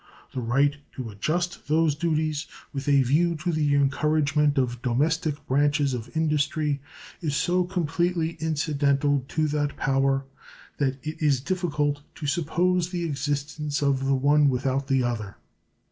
The right to adjust those duties with a view to the encouragement of domestic branches of industry is so completely incidental to that power that it is difficult to suppose the existence of the one without the other.